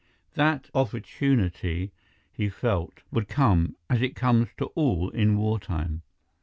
That opportunity, he felt, would come, as it comes to all in wartime.